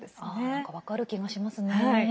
なんか分かる気がしますね。